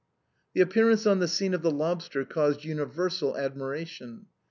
The appearance on the scene of the lobster caused uni versal admiration.